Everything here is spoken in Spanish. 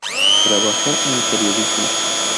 Trabajó en periodismo.